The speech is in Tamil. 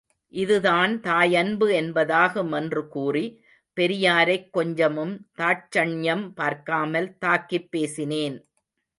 இதுதான் தாயன்பு என்பதாகும் என்று கூறி, பெரியாரைக் கொஞ்சமும் தாட்சண்யம் பார்க்காமல் தாக்கிப் பேசினேன்.